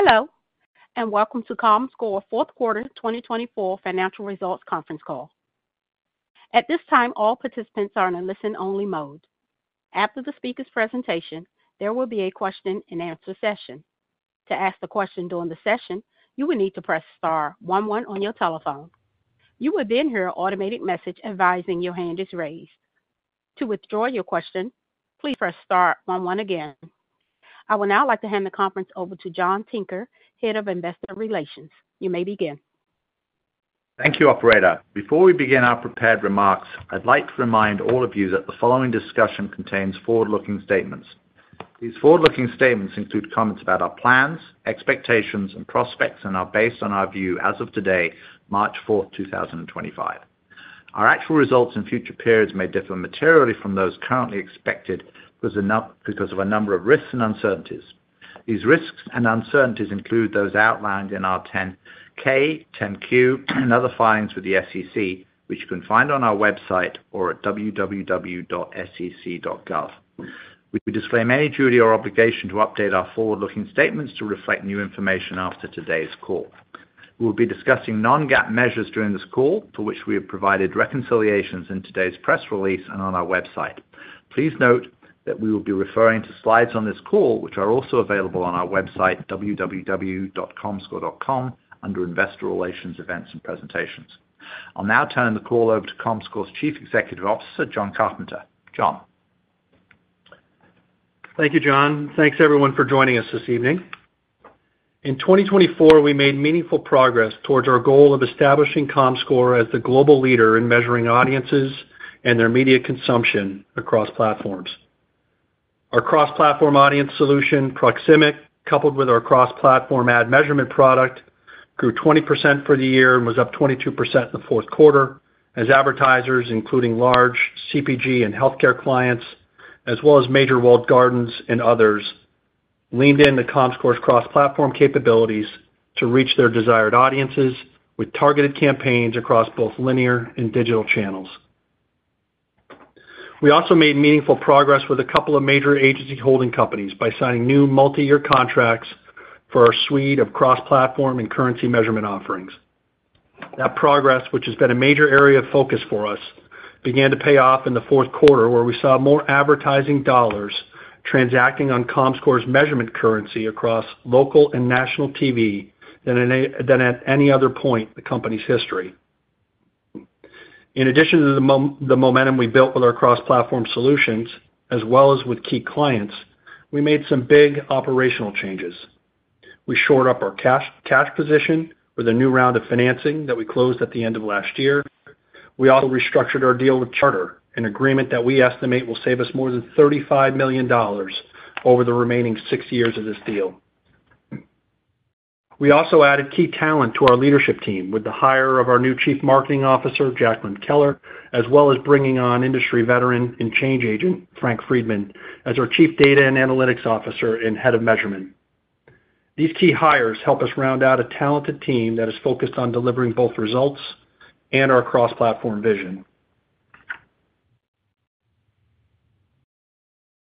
Hello, and welcome to Comscore Fourth Quarter 2024 Financial Results Conference Call. At this time, all participants are in a listen-only mode. After the speaker's presentation, there will be a question-and-answer session. To ask a question during the session, you will need to press star one one on your telephone. You will then hear an automated message advising your hand is raised. To withdraw your question, please press star one one again. I would now like to hand the conference over to John Tinker, Head of Investor Relations. You may begin. Thank you, Operator. Before we begin our prepared remarks, I'd like to remind all of you that the following discussion contains forward-looking statements. These forward-looking statements include comments about our plans, expectations, and prospects, and are based on our view as of today, March 4th, 2025. Our actual results and future periods may differ materially from those currently expected because of a number of risks and uncertainties. These risks and uncertainties include those outlined in our 10K, 10Q, and other filings with the SEC, which you can find on our website or at www.sec.gov. We disclaim any duty or obligation to update our forward-looking statements to reflect new information after today's call. We will be discussing non-GAAP measures during this call, for which we have provided reconciliations in today's press release and on our website. Please note that we will be referring to slides on this call, which are also available on our website, www.comscore.com, under Investor Relations, Events, and Presentations. I'll now turn the call over to Comscore's Chief Executive Officer, Jon Carpenter. Jon? Thank you, John. Thanks, everyone, for joining us this evening. In 2024, we made meaningful progress towards our goal of establishing Comscore as the global leader in measuring audiences and their media consumption across platforms. Our cross-platform audience solution, Proximic, coupled with our cross-platform ad measurement product, grew 20% for the year and was up 22% in the fourth quarter, as advertisers, including large CPG and healthcare clients, as well as major walled gardens and others, leaned in to Comscore's cross-platform capabilities to reach their desired audiences with targeted campaigns across both linear and digital channels. We also made meaningful progress with a couple of major agency holding companies by signing new multi-year contracts for our suite of cross-platform and currency measurement offerings. That progress, which has been a major area of focus for us, began to pay off in the fourth quarter, where we saw more advertising dollars transacting on Comscore's measurement currency across local and national TV than at any other point in the company's history. In addition to the momentum we built with our cross-platform solutions, as well as with key clients, we made some big operational changes. We shored up our cash position with a new round of financing that we closed at the end of last year. We also restructured our deal with Charter, an agreement that we estimate will save us more than $35 million over the remaining six years of this deal. We also added key talent to our leadership team with the hire of our new Chief Marketing Officer, Jacqueline Keller, as well as bringing on industry veteran and change agent, Frank Friedman, as our Chief Data and Analytics Officer and Head of Measurement. These key hires help us round out a talented team that is focused on delivering both results and our cross-platform vision.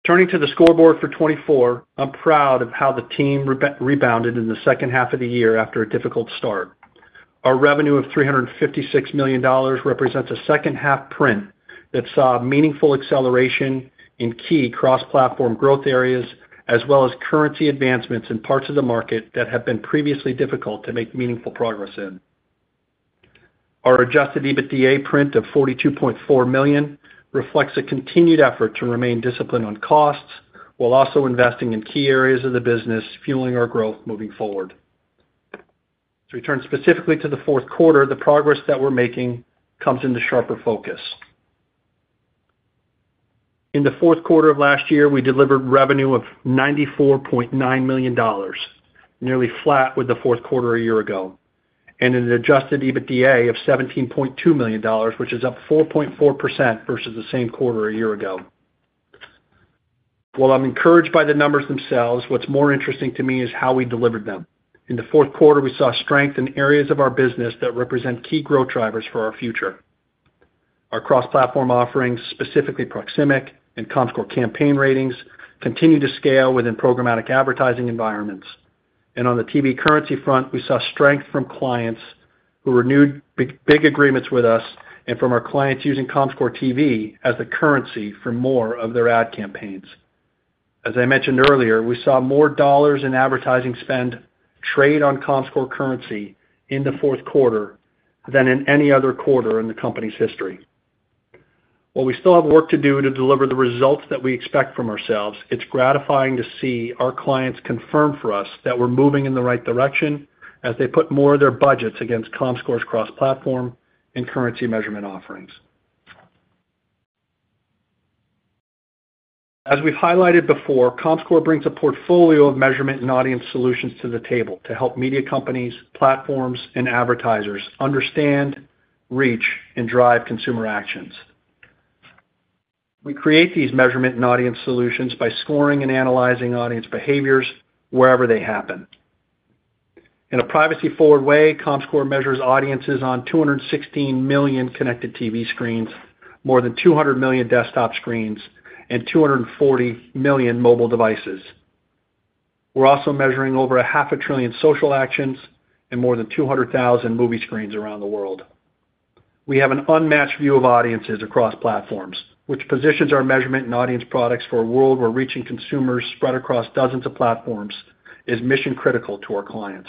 Turning to the scoreboard for 2024, I'm proud of how the team rebounded in the second half of the year after a difficult start. Our revenue of $356 million represents a second-half print that saw meaningful acceleration in key cross-platform growth areas, as well as currency advancements in parts of the market that have been previously difficult to make meaningful progress in. Our adjusted EBITDA print of $42.4 million reflects a continued effort to remain disciplined on costs while also investing in key areas of the business, fueling our growth moving forward. As we turn specifically to the fourth quarter, the progress that we're making comes into sharper focus. In the fourth quarter of last year, we delivered revenue of $94.9 million, nearly flat with the fourth quarter a year ago, and an adjusted EBITDA of $17.2 million, which is up 4.4% versus the same quarter a year ago. While I'm encouraged by the numbers themselves, what's more interesting to me is how we delivered them. In the fourth quarter, we saw strength in areas of our business that represent key growth drivers for our future. Our cross-platform offerings, specifically Proximic and Comscore Campaign Ratings, continue to scale within programmatic advertising environments. On the TV currency front, we saw strength from clients who renewed big agreements with us and from our clients using Comscore TV as the currency for more of their ad campaigns. As I mentioned earlier, we saw more dollars in advertising spend trade on Comscore currency in the fourth quarter than in any other quarter in the company's history. While we still have work to do to deliver the results that we expect from ourselves, it's gratifying to see our clients confirm for us that we're moving in the right direction as they put more of their budgets against Comscore's cross-platform and currency measurement offerings. As we've highlighted before, Comscore brings a portfolio of measurement and audience solutions to the table to help media companies, platforms, and advertisers understand, reach, and drive consumer actions. We create these measurement and audience solutions by scoring and analyzing audience behaviors wherever they happen. In a privacy-forward way, Comscore measures audiences on 216 million connected TV screens, more than 200 million desktop screens, and 240 million mobile devices. We're also measuring over half a trillion social actions and more than 200,000 movie screens around the world. We have an unmatched view of audiences across platforms, which positions our measurement and audience products for a world where reaching consumers spread across dozens of platforms is mission-critical to our clients.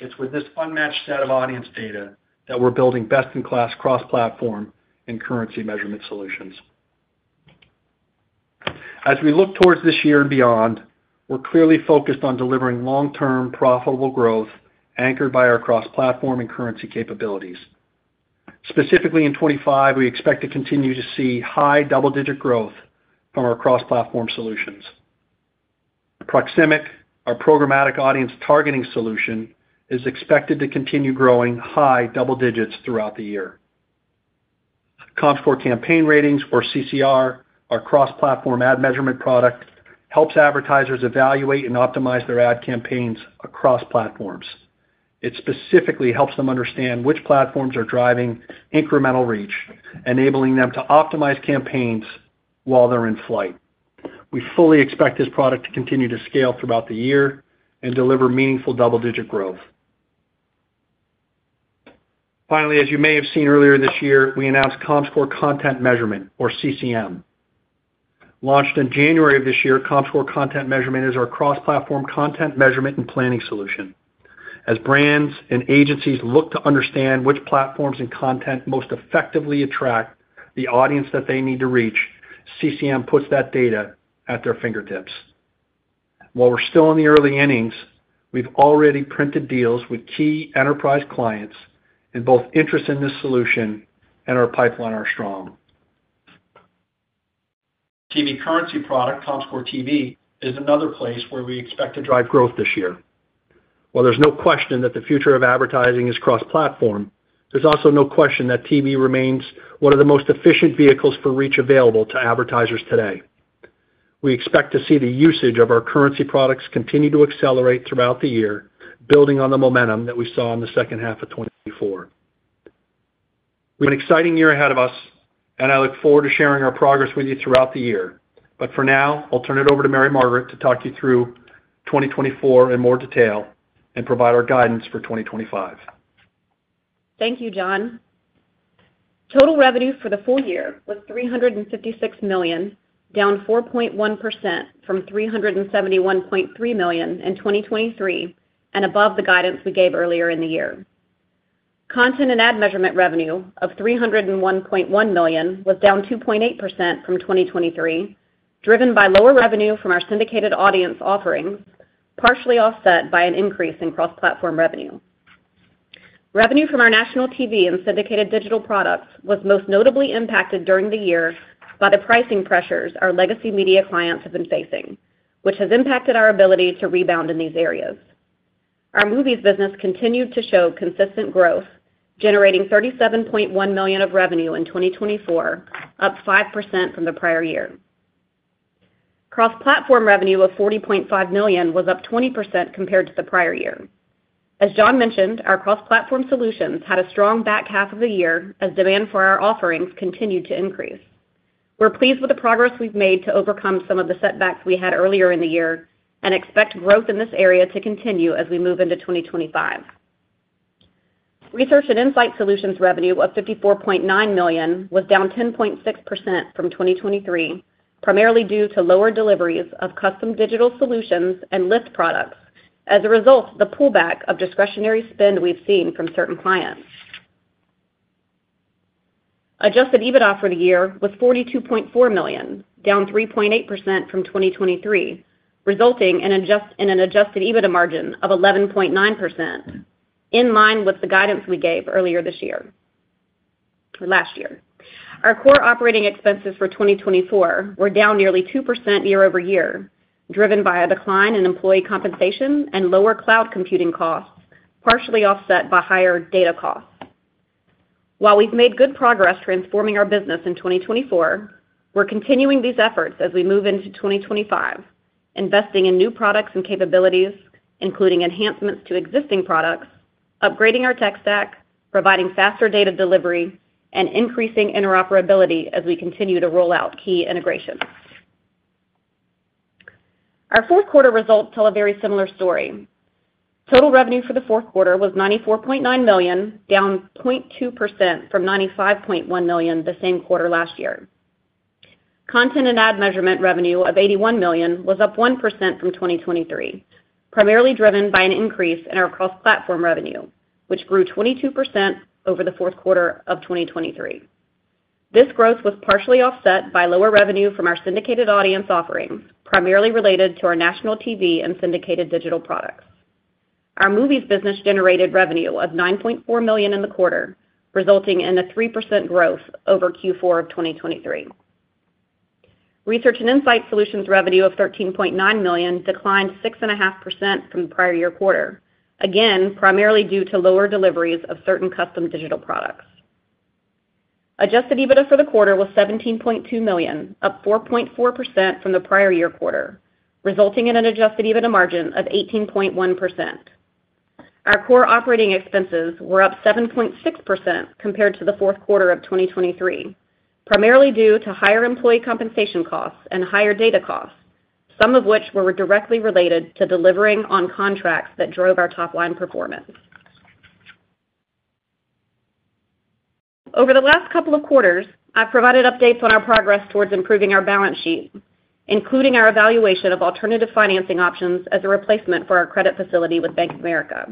It's with this unmatched set of audience data that we're building best-in-class cross-platform and currency measurement solutions. As we look towards this year and beyond, we're clearly focused on delivering long-term profitable growth anchored by our cross-platform and currency capabilities. Specifically, in 2025, we expect to continue to see high double-digit growth from our cross-platform solutions. Proximic, our programmatic audience targeting solution, is expected to continue growing high double digits throughout the year. Comscore Campaign Ratings, or CCR, our cross-platform ad measurement product, helps advertisers evaluate and optimize their ad campaigns across platforms. It specifically helps them understand which platforms are driving incremental reach, enabling them to optimize campaigns while they're in flight. We fully expect this product to continue to scale throughout the year and deliver meaningful double-digit growth. Finally, as you may have seen earlier this year, we announced Comscore Content Measurement, or CCM. Launched in January of this year, Comscore Content Measurement is our cross-platform content measurement and planning solution. As brands and agencies look to understand which platforms and content most effectively attract the audience that they need to reach, CCM puts that data at their fingertips. While we're still in the early innings, we've already printed deals with key enterprise clients, and both interest in this solution and our pipeline are strong. The TV currency product, Comscore TV, is another place where we expect to drive growth this year. While there's no question that the future of advertising is cross-platform, there's also no question that TV remains one of the most efficient vehicles for reach available to advertisers today. We expect to see the usage of our currency products continue to accelerate throughout the year, building on the momentum that we saw in the second half of 2024. We have an exciting year ahead of us, and I look forward to sharing our progress with you throughout the year. For now, I'll turn it over to Mary Margaret to talk you through 2024 in more detail and provide our guidance for 2025. Thank you, Jon. Total revenue for the full year was $356 million, down 4.1% from $371.3 million in 2023 and above the guidance we gave earlier in the year. Content and ad measurement revenue of $301.1 million was down 2.8% from 2023, driven by lower revenue from our syndicated audience offerings, partially offset by an increase in cross-platform revenue. Revenue from our national TV and syndicated digital products was most notably impacted during the year by the pricing pressures our legacy media clients have been facing, which has impacted our ability to rebound in these areas. Our movies business continued to show consistent growth, generating $37.1 million of revenue in 2024, up 5% from the prior year. Cross-platform revenue of $40.5 million was up 20% compared to the prior year. As Jon mentioned, our cross-platform solutions had a strong back half of the year as demand for our offerings continued to increase. We're pleased with the progress we've made to overcome some of the setbacks we had earlier in the year and expect growth in this area to continue as we move into 2025. Research and insight solutions revenue of $54.9 million was down 10.6% from 2023, primarily due to lower deliveries of custom digital solutions and Lift products, as a result of the pullback of discretionary spend we've seen from certain clients. Adjusted EBITDA for the year was $42.4 million, down 3.8% from 2023, resulting in an adjusted EBITDA margin of 11.9%, in line with the guidance we gave earlier this year or last year. Our core operating expenses for 2024 were down nearly 2% year over year, driven by a decline in employee compensation and lower cloud computing costs, partially offset by higher data costs. While we've made good progress transforming our business in 2024, we're continuing these efforts as we move into 2025, investing in new products and capabilities, including enhancements to existing products, upgrading our tech stack, providing faster data delivery, and increasing interoperability as we continue to roll out key integrations. Our fourth quarter results tell a very similar story. Total revenue for the fourth quarter was $94.9 million, down 0.2% from $95.1 million the same quarter last year. Content and ad measurement revenue of $81 million was up 1% from 2023, primarily driven by an increase in our cross-platform revenue, which grew 22% over the fourth quarter of 2023. This growth was partially offset by lower revenue from our syndicated audience offerings, primarily related to our national TV and syndicated digital products. Our movies business generated revenue of $9.4 million in the quarter, resulting in a 3% growth over Q4 of 2023. Research and insight solutions revenue of $13.9 million declined 6.5% from the prior year quarter, again, primarily due to lower deliveries of certain custom digital products. Adjusted EBITDA for the quarter was $17.2 million, up 4.4% from the prior year quarter, resulting in an adjusted EBITDA margin of 18.1%. Our core operating expenses were up 7.6% compared to the fourth quarter of 2023, primarily due to higher employee compensation costs and higher data costs, some of which were directly related to delivering on contracts that drove our top-line performance. Over the last couple of quarters, I've provided updates on our progress towards improving our balance sheet, including our evaluation of alternative financing options as a replacement for our credit facility with Bank of America.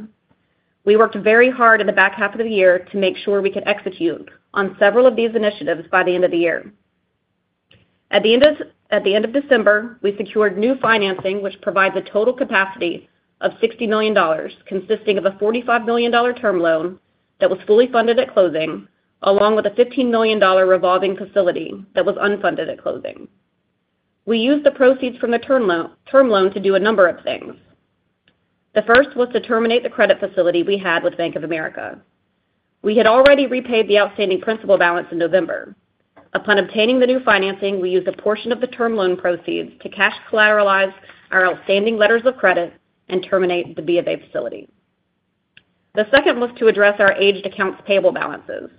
We worked very hard in the back half of the year to make sure we could execute on several of these initiatives by the end of the year. At the end of December, we secured new financing, which provides a total capacity of $60 million, consisting of a $45 million term loan that was fully funded at closing, along with a $15 million revolving facility that was unfunded at closing. We used the proceeds from the term loan to do a number of things. The first was to terminate the credit facility we had with Bank of America. We had already repaid the outstanding principal balance in November. Upon obtaining the new financing, we used a portion of the term loan proceeds to cash collateralize our outstanding letters of credit and terminate the Bank of America facility. The second was to address our aged accounts payable balances.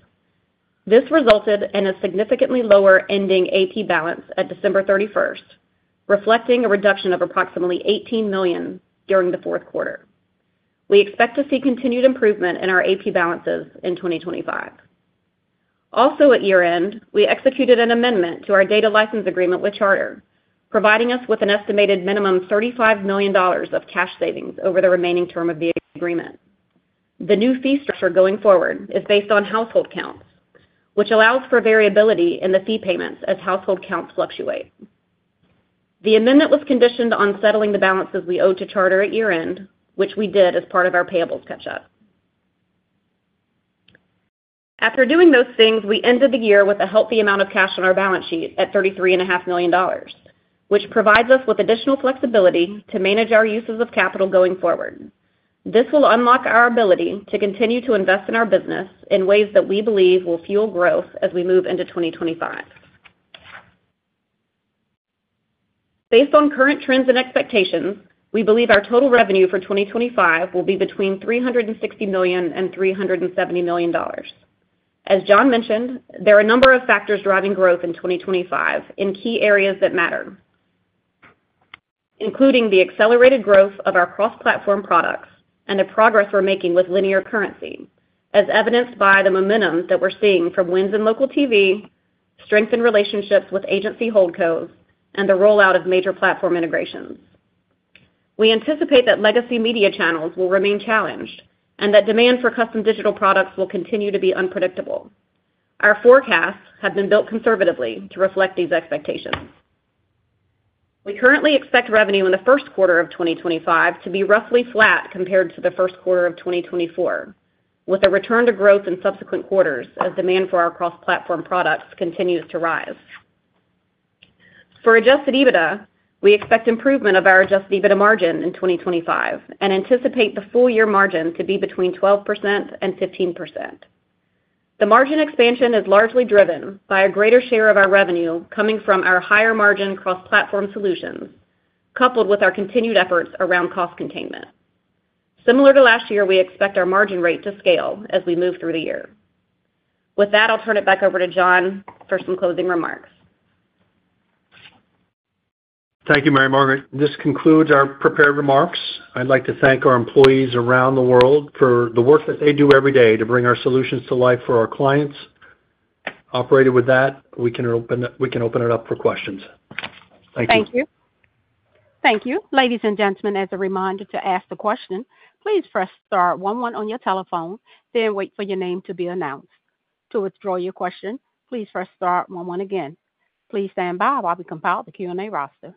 This resulted in a significantly lower ending AP balance at December 31, reflecting a reduction of approximately $18 million during the fourth quarter. We expect to see continued improvement in our AP balances in 2025. Also, at year-end, we executed an amendment to our data license agreement with Charter, providing us with an estimated minimum of $35 million of cash savings over the remaining term of the agreement. The new fee structure going forward is based on household counts, which allows for variability in the fee payments as household counts fluctuate. The amendment was conditioned on settling the balances we owed to Charter at year-end, which we did as part of our payables catch-up. After doing those things, we ended the year with a healthy amount of cash on our balance sheet at $33.5 million, which provides us with additional flexibility to manage our uses of capital going forward. This will unlock our ability to continue to invest in our business in ways that we believe will fuel growth as we move into 2025. Based on current trends and expectations, we believe our total revenue for 2025 will be between $360 million and $370 million. As Jon mentioned, there are a number of factors driving growth in 2025 in key areas that matter, including the accelerated growth of our cross-platform products and the progress we're making with linear currency, as evidenced by the momentum that we're seeing from wins in local TV, strengthened relationships with agency Holdcos, and the rollout of major platform integrations. We anticipate that legacy media channels will remain challenged and that demand for custom digital products will continue to be unpredictable. Our forecasts have been built conservatively to reflect these expectations. We currently expect revenue in the first quarter of 2025 to be roughly flat compared to the first quarter of 2024, with a return to growth in subsequent quarters as demand for our cross-platform products continues to rise. For adjusted EBITDA, we expect improvement of our adjusted EBITDA margin in 2025 and anticipate the full-year margin to be between 12% and 15%. The margin expansion is largely driven by a greater share of our revenue coming from our higher-margin cross-platform solutions, coupled with our continued efforts around cost containment. Similar to last year, we expect our margin rate to scale as we move through the year. With that, I'll turn it back over to Jon for some closing remarks. Thank you, Mary Margaret. This concludes our prepared remarks. I'd like to thank our employees around the world for the work that they do every day to bring our solutions to life for our clients. With that, we can open it up for questions. Thank you. Thank you. Thank you. Ladies and gentlemen, as a reminder to ask the question, please press star 11 on your telephone, then wait for your name to be announced. To withdraw your question, please press star 11 again. Please stand by while we compile the Q&A roster.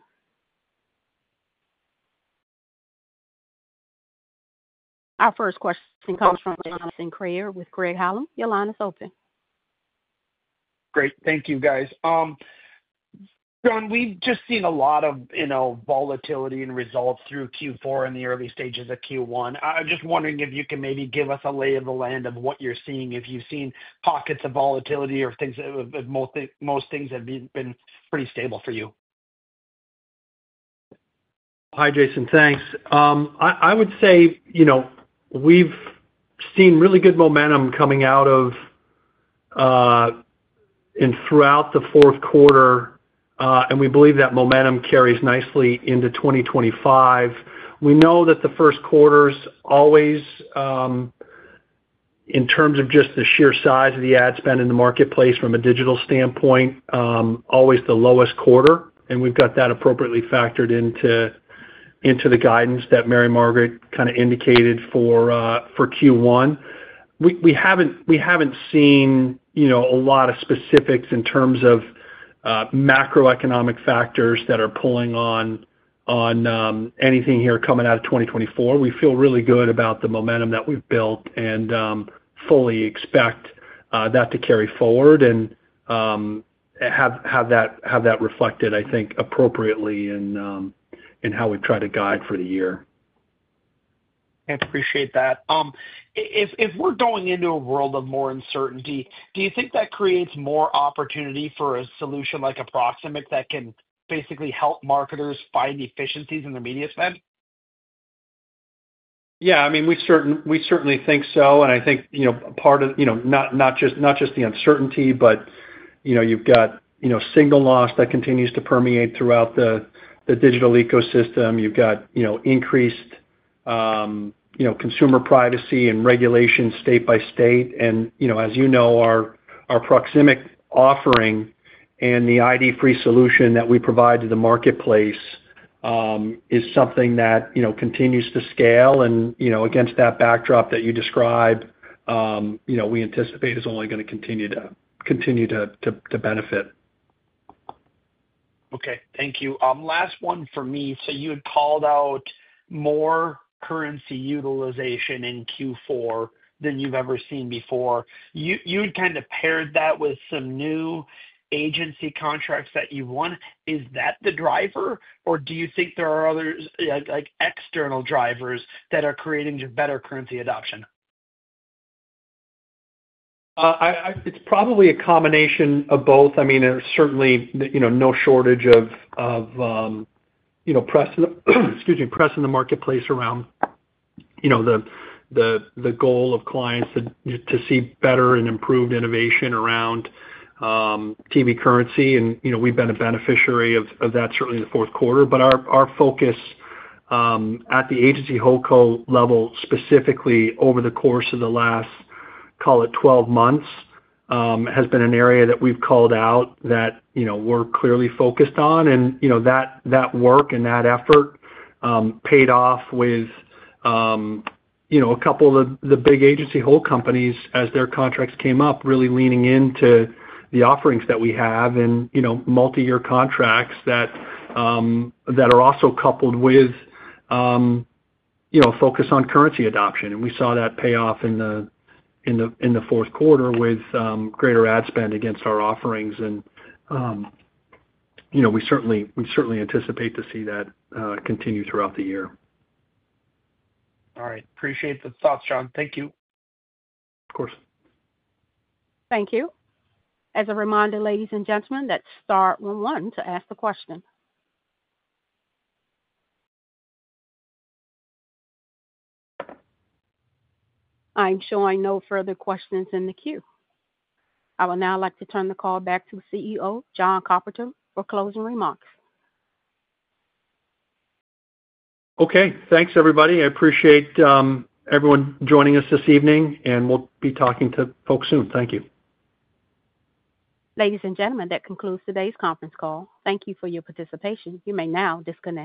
Our first question comes from Jason Kreyer with Craig-Hallum. Your line is open. Great. Thank you, guys. Jon, we've just seen a lot of volatility and results through Q4 and the early stages of Q1. I'm just wondering if you can maybe give us a lay of the land of what you're seeing, if you've seen pockets of volatility or things that most things have been pretty stable for you. Hi, Jason. Thanks. I would say we've seen really good momentum coming out of and throughout the fourth quarter, and we believe that momentum carries nicely into 2025. We know that the first quarter's always, in terms of just the sheer size of the ad spend in the marketplace from a digital standpoint, always the lowest quarter, and we've got that appropriately factored into the guidance that Mary Margaret kind of indicated for Q1. We haven't seen a lot of specifics in terms of macroeconomic factors that are pulling on anything here coming out of 2024. We feel really good about the momentum that we've built and fully expect that to carry forward and have that reflected, I think, appropriately in how we try to guide for the year. I appreciate that. If we're going into a world of more uncertainty, do you think that creates more opportunity for a solution like Proximic that can basically help marketers find efficiencies in their media spend? Yeah. I mean, we certainly think so. I think part of not just the uncertainty, but you've got signal loss that continues to permeate throughout the digital ecosystem. You've got increased consumer privacy and regulation state by state. As you know, our Proximic offering and the ID-free solution that we provide to the marketplace is something that continues to scale. Against that backdrop that you describe, we anticipate is only going to continue to benefit. Okay. Thank you. Last one for me. You had called out more currency utilization in Q4 than you've ever seen before. You had kind of paired that with some new agency contracts that you've won. Is that the driver, or do you think there are other external drivers that are creating better currency adoption? It's probably a combination of both. I mean, there's certainly no shortage of press in the marketplace around the goal of clients to see better and improved innovation around TV currency. We've been a beneficiary of that, certainly in the fourth quarter. Our focus at the agency Holdco level, specifically over the course of the last, call it, 12 months, has been an area that we've called out that we're clearly focused on. That work and that effort paid off with a couple of the big agency Holdco companies as their contracts came up, really leaning into the offerings that we have and multi-year contracts that are also coupled with a focus on currency adoption. We saw that pay off in the fourth quarter with greater ad spend against our offerings. We certainly anticipate to see that continue throughout the year. All right. Appreciate the thoughts, Jon. Thank you. Of course. Thank you. As a reminder, ladies and gentlemen, that's star 11 to ask the question. I'm showing no further questions in the queue. I would now like to turn the call back to the CEO, Jon Carpenter, for closing remarks. Okay. Thanks, everybody. I appreciate everyone joining us this evening, and we'll be talking to folks soon. Thank you. Ladies and gentlemen, that concludes today's conference call. Thank you for your participation. You may now disconnect.